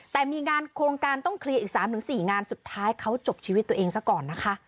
แต่มีงานโครงการต้องเคลียร์อีก๓๔งานสุดท้ายเขาจบชีวิตตัวเองซะก่อนนะคะ